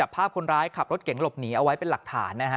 ภาพคนร้ายขับรถเก๋งหลบหนีเอาไว้เป็นหลักฐานนะฮะ